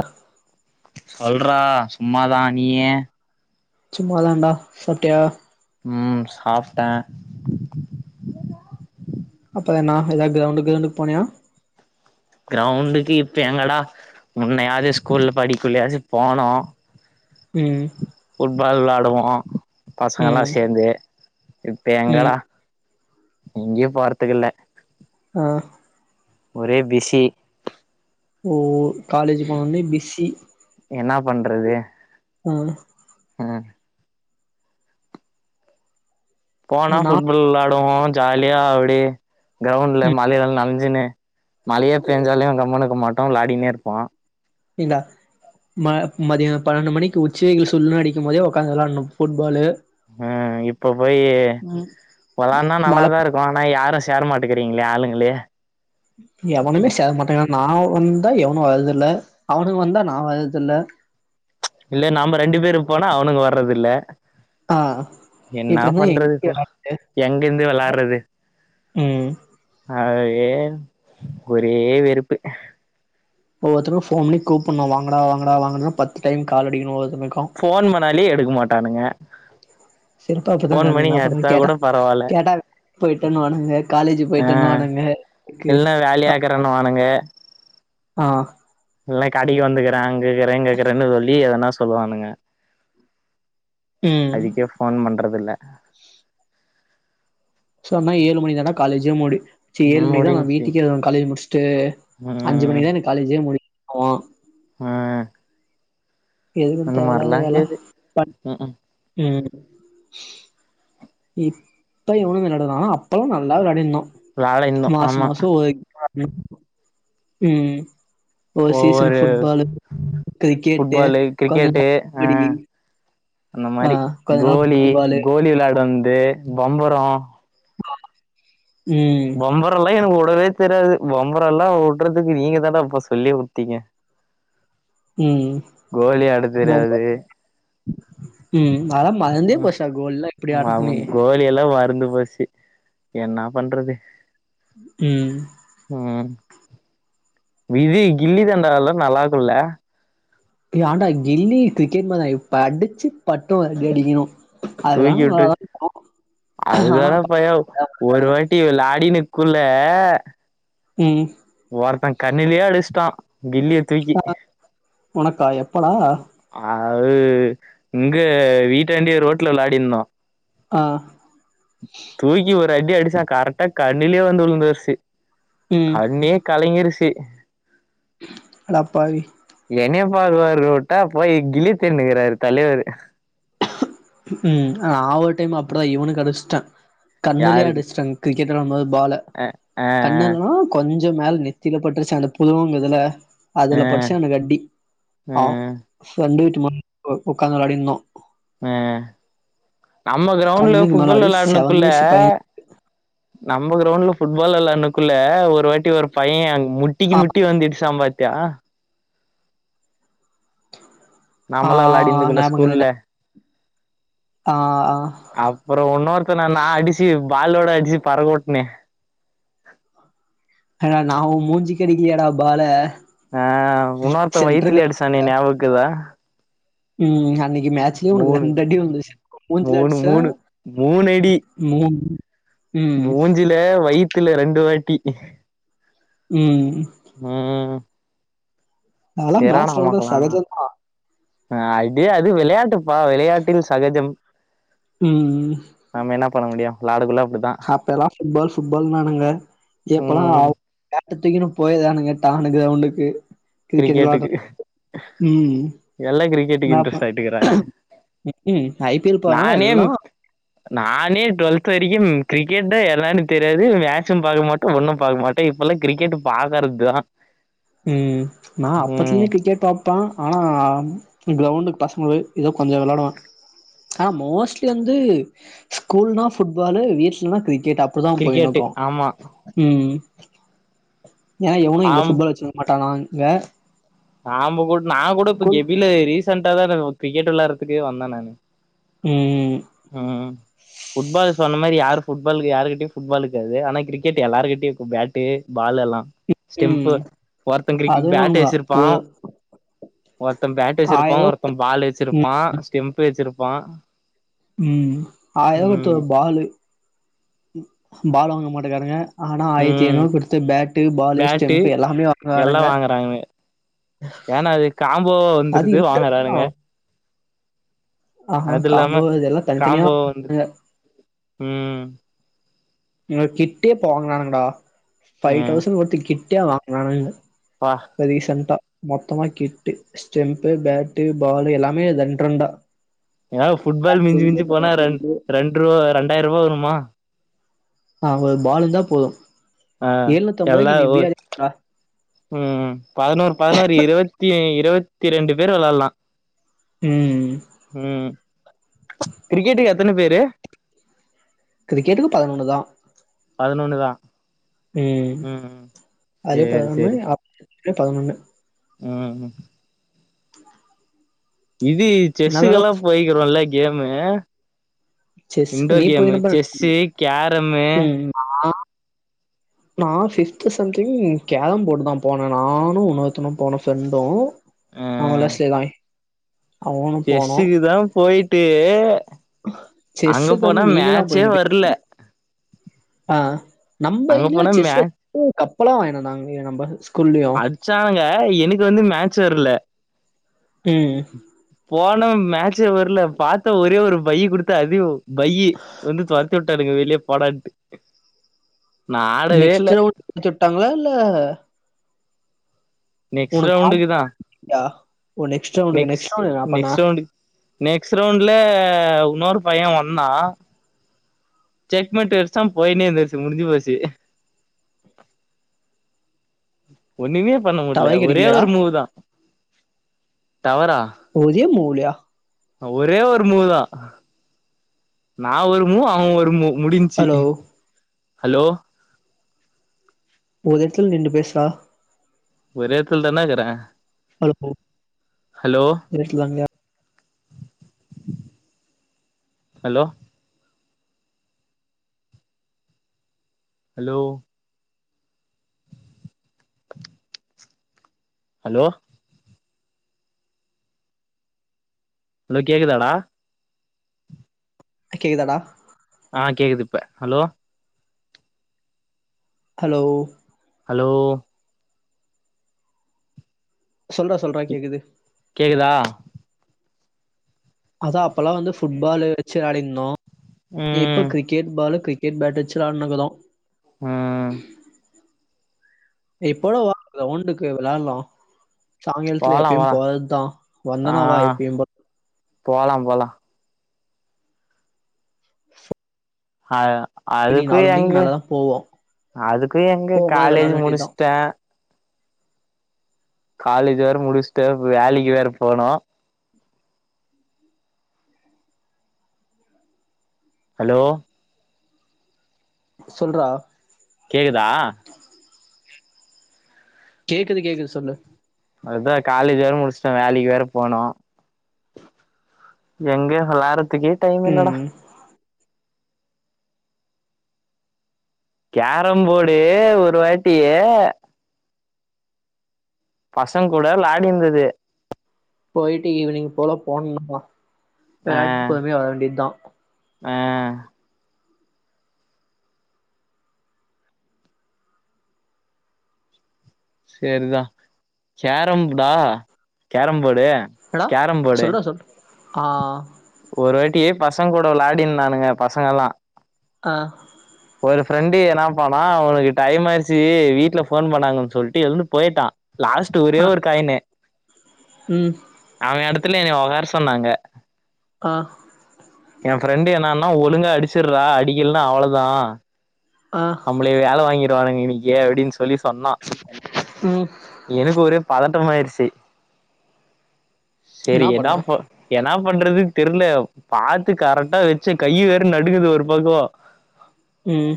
அ சொல்றா சும்மாதா நீயி சும்மாதான்டா சாப்டியா ம் சாப்டே அப்பற என்னா எதா கிரௌண்டு கிரௌண்டுக் போனியா கிரௌண்டுக்கு இப்ப எங்கடா முன்னயாது ஸ்கூல்ல படிக்குள்ளயாது போனோ ம் ஃபுட்பால் விளாடுவோ பசங்களா ம் சேந்து இப்ப ம் எங்கடா எங்கயு போறத்துக்கில்ல ஆ ஒரே பிஸி ஓ காலேஜு போனொனே பிஸி என்னா பண்றது உ ஆ போனா நா ஃபுட்பல் வெளாடுவோ ஜாலியா அப்டியே கிரௌண்ட்ல மழைல நனஞ்சுனே மழையே பேஞ்சாலே கம்முணுக்க மாட்டோ வ்ளாடினே இருப்போ இந்தா ம மதியோ பன்னெண்டு மணிக்கு உச்சி வெயிலு சுள்ளுனு அடிக்கும் போதே உக்காந்து வெளாடுனோ ஃபுட்பாலு ஆ இப்ப போய் வெளன்னா மழ நல்லாதா இருக்கு ஆனா யாரு சே சேர மாட்டுக்கிறீங்களே ஆளுங்களே எவனுமே சேர மாட்டேங்கறா நா வந்தா எவனு வர்ரதில்ல அவனுக வந்தா நா வர்ரதுல்ல இல்ல நாம ரெண்டு பேரு போனா அவனுங்க வர்றது இல்ல ஆ என்னா இப்டினா பண்றது எங்க போ வெளாட்றது? எங்கந்து விளாடுறது உ அ ஏன் ஒரே வெறுப்பு ஒவ்வொருத்தருக்கு ஃபோன் பண்ணி கூப்பிண்ணு வாங்கடா வாங்கடா வாங்க பத்து டைம் கால் அடிக்கணு ஒரு ஃபோன் பண்ணாலே எடுக்க மாட்டானுங்க சிறப்பா அப்டிதா ஃபோன் கெடயாது பண்ணி என்ன பண்ண எடுத்தா கேட்டா கூட பரவாயில்ல கேட்டா போயிட்டேன்னுவானுங்க காலேஜ் அ போயிட்டேன்னுவானுங்க க்கு இல்ல வேலயாக்கறேனுவாங்க ஏ ஆ இல்னா கடக்கி வந்துக்குறே அங்க இக்குறே இங்க இக்குறேனு சொல்லி எதானா சொல்லுவானுங்க ம் அதுக்கே ஃபோன் பண்றது இல்ல ஆ சோன்னா ஏழு மணிக் தான்டா காலேஜே முடி சே ஏழு ம் மணிக்தா நா முடிஞ்ச்சு வீட்டுக்கே வருவே காலேஜ் முடிச்சுட்டு அஞ்சு ம் மணிக்தா எனக்கு காலேஜே முடியு ஆமா ஆ எதுக்கு அந்த தேவல்லாத மாரிலா வேல இக்குது ம் ம் உ [inaudible] இப்ப எவனு வெளாடலனாலு அப்பலா நல்லா விலாடின்ருந்தோ விலாடினுர்ந்தோ ஆமா உ உ ஒரு சீசன் ஒவ்வொரு ஃபுட்பாலு கிரிக்கெட்டு ஃபுட்பாலு கொஞ்ச கிரிக்கெட்டு நேரோ ஆ கபடி அந்த ஆ மாரி கொஞ்ச நாள் கோலி வாலிபாலு கோலி விளாடு வந்து ஏ பம்பரோ ம் பம்பரல்லா எனக்கு ஒ உடவே தெரியாது பம்பரல்லா உடறதுக்கு நீங்க தானடப்பா சொல்லியே குடுத்தீங்க ம் கோலி ஆடத் பொம்ம தெரியாது ம் அதெல்லா மறந்தே போஸ்சாக்கு எல்லா எப்பிடி ஆடுறதுனே ம் கோலி எல்லா மறந்து போஸி என்னா பண்றது ம் விதி கில்லி தண்டாளல்லா நல்லாக்கும்ல்ல ஏன்டா கில்லி கிரிக்கெட் மாறிதா இப்ப அடிச்சிபட்டோ அடிக்கிணு தூக்கி விட்டுரு ஆனா அதுதான பையோ ஒரு பண்றானுங்க வாட்டி விளாடினு குள்ள ம் கண்ணிலியே அடிஷ்ட்டா கில்லிய தூக்கி உனக்காயம் ஆ அது இங்க வீட்டாண்டையே ரோட்ல விளாடிந்தோ. ஆ தூக்கி ஒரு அடி அடிசா கரெக்டா கண்ணிலயே வந்து விழுந்துருச்சி ம் கண்ணே கலங்கிருஷ் தி அடப்பாவி ப்பாருவாருட்டா கில்லி தேனுக்காரு தலைவர்ரு ம் நா ஒரு டைம் அப்பிடிதா இவனக்கு அடிச்சிட்டே கண்ணுலே யாருக்கு அடிச்சட்டாங் கிரிக்கெட் விளையாடு போது பால ஆ கண்ணல்லா கொஞ் கொஞ்சோ மேல நெத்தியில பட்டுருச்சா அந்த புருவங்க இதுல ஆ அதுல பட்டுச்சுனுக்கு அடி ஆ அ ஃப்ரெண்ட் வீட் சும்மா [inaudible] ஒக்காந்து வெளயாடிட்டு இந்தோம் ஆ நம்ம கிரவுண்ட்ல கண்ணுக்கு மேல ஃபுட்பால் அடி விளானுக்குள்ள செவந்துருச்சு பைய நம்ம கிரௌண்ட்ல ஃபுட்பால் விளயாண்டனுக்குள்ள ஒரு வாட்டி ஒரு பையே அங் முட்டிக்கு ஆ முட்டி வந்து இடிச்சா பா ட் ஆ ஆ நாம்பளா வெளாடிந்துக்குல ஞாபகோ ஸ்கூல்ல இருக்குது ஆ ஆ அப்புற ஒன்னொருக்கன நா அடிச்சி பாலோட அடிச்சு பரக்கொட்டனே ஏங்க நா ஒ மூஞ்சிக் கெடிகியலடா பால ஆ உன்னோர்த்தவ சென்டருக்கு வயித்துலே அடிச்சானே ஞாபகம்கீதா ம் அன்னிக் கி மேச்லே ஒனக்கு மூணு ரெண்டடி விழுந்துச்சு மூஞ்சில மூணு அடிச்ச மூணு மூணு அடி மூக் மூஞ்சில வயித் துல ரெண்டு வாட்டி ம் ம் அதலா செரான மேட்ச்ல உலறது அமக்கலானா சகஜம் தா ஆ அடி அது வெளயாட்டு பா வெளையாட்டில் சகஜம் ம் ம் நம்ம என்ன பண்ண முடியும் விளாடுகுள்ள சாப்ட்டதுலா ஃபுட்பால் ஃபுட்பால் நானுங்க எப்பல்லா ம் அவுங்க தத்திக்கின்னு போயிதானுங்க டானு கிரௌண்டுக்கு கிரிக்கெட் விளாடற கிரிக்கெட்டுக்கு ம் எல்லா கிரிக்கெட்டுக்கு மே இன்ட்ரெஸ்ட் ஆயிட்டுக்கறாங்க ம் ஐ பி எல் போறனால நானே எல்லா நானே டு்வெல்த்து வரிக்கும் கிரிக்கெட்டே என்னானு தெரியாது மேச்சும் பாக்க மாட்டோ ஒன்னும் பாக்க மாட்டோ இப்பல்லா கிரிக்கெட்டு பாக்கறதுதா ம் நா அப்பத்தலே ம் கிரிக்கெட் பாப் பான் ஆனா கிரௌண்டுக்கு பசங்களோய் ஏதோ கொஞ்ச வெளாடுவே ஆனா மோஸ்ட்லி வந்து ஸ்கூல்னா ஃபுட்பாலு வீட்லனா கிரி கெட்டு அப்டிதா கிரிக்கெட்டு போயினோக்கு ஆமா ம் ஏனா எவுனு இங்க ஃபுட்பால் வச்சினு டலாங்க ஆம்பு கூ நா கூட இப்ப கெபில் ஏரிஸ் சென்டா தாத கிரிக்கெட்டு வெளாறதுக்கு வந்த நானு ம் ம் புட்பால் சொன்ன மாரி யாரு ஃபுட்பாலு யாருகிட்டயு ஃபுட்பாலு இக்காது ஆனா கிரிக்கெட்டு எல்லாருகிட்டையு இருக்கு பேட்டு பாலு எல்லா ஸ்டெம்ப்பு ஒருத்தங்கிரிக்கி பேட்டு வச்சிருப் ஒத ஒருத்த. பேட் வச்சிருப்பா ஒருத்த பால் ம் வச்சிருப்பா ஸ்டெம்பு‌ வச்சிருப் வா ம் ஆயா குடுத்த பால்லு பால் வாங்க மாட்டக்கராங்க ஆனா ஆயிரத்தி ம் ஐநூறு குடுத்து பேட்டு பாலு பேட்டு ஸ்டெம்பு எல்லாமே எல்லா வாங்கரனுங்க வாங்குறாங்க ஏன்னா அது காம்போவா அது வந்துருது இன்டர்ன் தா வாங்குறானுங்க ஆ ஆ அது காம்போ இல்லாம இது எல்லா தனித்தனியா வா காம்போவா வந்து கு ம் உங்க கிட்டே போகானுங்கடா ஃபைவ் ம் தோவுசண் வர்த் கிட் கட்டியா வாங்கவே இல்ல பா அது ரீசென்டா மொத்தமா கிட்டு ஸ்டெம்பு பேட்டு பாலு எல்லாமே ரெண்டு ரெண்டா ஏ ஃபுட்பால் மிஞ்சி மிஞ்சி போனா ரெண் ரெண்டு ரூவா ரெண்டாயிர ரூவா வரும்மா ஆ ஒரு பாலு இந்தா போதும் ஆ எல்லா உ ம் பதினோரு பதினோரு இருவத்தி இருவத் இருவத்தி ரெண்டு பேர் வெளல்லா ம் ம் கிரிக்கெட்க்கு எத் எத்தன பேரு கிரிக்கெட்டுக்கு பதினொன்னு தா பதினொன்னுதா ம் ம் ம் அதே சேரி பதினொன்னு சேரி ஆப் இல்ல பதினொன்னு ம் [inaudible] இது என்னதா செஸ்ஸக்குலா போய்கிறோலா கேம்மூ செஸ் நீ இண்டோர் கேமு போயிருப்ப செஸ்ஸு கேரமு நான் ஃபிப்த்து சம்திங் கேரம் போர்டு தான் போனேன் நானும் இன்னொருதவனும் போனோம் ஃப்ரெண்டும் ஆமால சே செஸ்ஸுக்கு தான் போயிட்டு ட்டு அங்க செஸ்ஸுக்கு போனா மேட்சே வரல ஆஹ் நம்ம அங்க இதுலயு போனா மே செஸ் வச் கப்பலாம் வாங்கிட்டு வந்தாங்க ஏ நம்ம ஸ்கூல்லயு அடிச்சாங்க அன்னக்கி வந்து மேக்ஸ் சார் இல்ல ம் ம்ம் போனம் மேக்ஸ்சே வரல பாத்த ஒரே ஒரு பையி குடுத்து அதயும் பையி வந்து துரத்தி விட்டானுங்க வெளிய போடான்ட்டு நா ஆடவே இல்ல நெக்ஸ்ட் ரவுண்டு விட்டாங்களா இல்ல நெக்ஸ்ட் உனக்கு ரவுண்டுக்கு தா ஆப்ஷன்யா ஓ நெக்ஸ்ட் ரவுண்டுக்கு நெக்ஸ் நெக்ஸ்ட் ரவுண்ட் என்ன பண்ண நெக்ஸ்ட் ரவுண்ட்ல இன்னொரு பையன் வந்தான் செக் மட்டும் வைச்சான் போயினே இந்தருச்சு முடிஞ்சு போச்சு ஒன்னுமே ஒன்னுமே பண்ண முடியல டவரே ஒரே கெடைக்கலயாடா ஒரு மூவு தான் ஒரே மூவுலயா ஒரே ஒரு மூவுதான் நா ஒரு முவ் அவன் ஒரு முவ் முடிஞ்சு ஹலோ ஹலோ ஒரு இடத்தில நின்னு பேசுறா ஒரு இடத்துல தான இருக்கறேன் ஹலோ ரெஸ்ட்லாமையா ஹலோ ஹலோ ஹலோ ஹலோ கேக்குதாடா கேக்குதடா ஆஹ கேக்குது இப்ப ஹலோ ஹலோ ஹலோ சொல்றா சொல்றா கேக்குது கேக்குதா அதா அப்பல்லா வந்து ஃபுட் பாலு வெச்சு ஆடிருந்தோ ம் எப்ப கிரிக்கெட் பால்லு கிரிக் க்கேட் பேட் வெச்சு வெளையாண் இருக்குறோ அ இப்போட வா கிரவுண்டுக்கு வெளாண்டோ சாயங்காலத்துல போலா எப்யும் போலா போறதா ஆ வந்தனா வா எப்யும் போ போலா போலா ஆஹ் டா ஈவினிங் அதுக்கு நாலு மணிக்கு எங்க மேலதா போவோ அதுக்கு எங்க போம்போது வெளாட காலேஜ் வேண்டியதா முடுச்சுட்ட காலேஜ் வேற முடுச்சுட்டு வேலைக்கு வேற போனு ஹலோ சொல்றா கேக்குதா கேக்குது கேக்குது சொல்லு அதா காலேஜ் வேற முடுச்சுட்ட வேலைக்கு வேற போனு எங்க எல்லாரு இதுக்கே டைம் இல்லடா ம் கேரம் போடு ஒரு வாட்டி பசங்க கூட விளாடிருத்தது போயிட்டு ஈவினிங் போல போனும்பா ஆ விளாட்டு பொருமையா வர வேண்டிதா ஆ சேரிதா கேரம் போடா கேரம் போடு என்னடா சொல்றா சொல் ஆ ஒரு வாட்டியே பசங்க கூட விளையாடினுந்தானுங்க பசங்க எல்லா ஆ ஒரு ஃப்ரெண்டு என்ன பன்னா உனக்கு டைம் ஆயிருச்சு வீட்ல ஃபோன் பண்ணாங்கன் சொல்ட்டு எழுந்து போயிட்டா லாஸ்ட் ஒரே ஆ ஒரு காயினு ம் அவே அடுத் த்துல என்ன உக்கார சொன்னாங்க ஆ எ ஃப்ரெண்டு் என்னன்னா ஒழுங்கா அடிச்சுர்றா அடிக்கலன்னா அவ்ளதா ஆ நம்மளய வேல வாங்கிரு கிருவானுங்க இன்னிக்கு அப்டின்ஸ் சொல்லி சொன்னா. ம் எனக்கு ஒரே பதட்டமாயிருச் செ செரி என்னா எதா பண்ண இப்ப என் என்னா பண்றதுன்னு தெர்ல. பாத்து கரெக்டா வச்சு கையி வேற நடுங்குது ஒரு பக்கோ ம்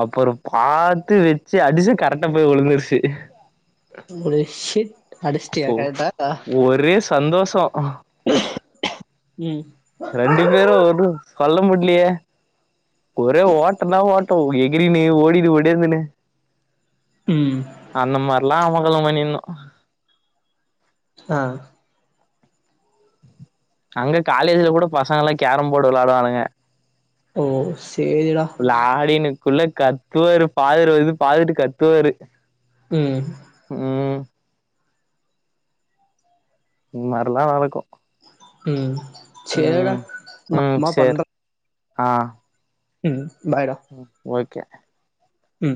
அப்புறோ பாத்து வச்சு அடிச்சு கரெக்டா போய் உழுந்துருச்சு. வச்சியா கரெக்டா [inaudible] ஒரே சந்தோஷோ ம் ரெண்டு பேரு ஒன்னு சொல்ல முடி க்கிலியே ஒரே ஓட்டனா ஓட்டோ எகிரினு ஓடினு ஓடினேருந்தனே ம் அந்த மாரிலா அமக்களோ பண்ணிருந்தோ அ ஆ அங்க காலேஜ்ல கூட பசங்க எல்லா கேரம் போர்டு வெளையாடுவானுக ஓ சேரிடா விளாடினு க்குள்ள கத்துவாரு ஃபாதர் வந்து பாத்துட்டு கத்துவாரு ம் ம் இந்த மாரில்லா நடக்கு ம் சேரிடா ம் நா ம் அப்றமா பண்ற சேர் ஆ ம் ம் ஓகே ம்